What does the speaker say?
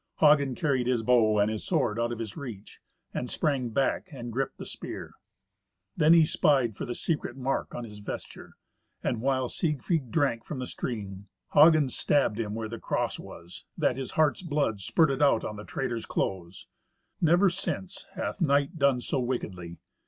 Hagen carried his bow and his sword out of his reach, and sprang back and gripped the spear. Then he spied for the secret mark on his vesture; and while Siegfried drank from the stream, Hagen stabbed him where the cross was, that his heart's blood spurted out on the traitor's clothes. Never since hath knight done so wickedly.